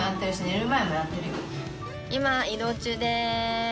今移動中です。